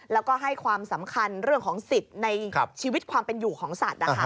แล้วก็ให้ความสำคัญเรื่องของสิทธิ์ในชีวิตความเป็นอยู่ของสัตว์นะคะ